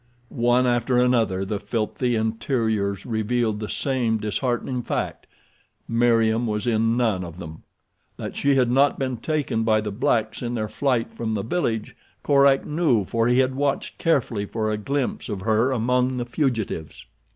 One after another the filthy interiors revealed the same disheartening fact—Meriem was in none of them. That she had not been taken by the blacks in their flight from the village Korak knew for he had watched carefully for a glimpse of her among the fugitives.